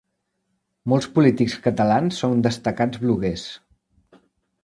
Molts polítics catalans són destacats bloguers.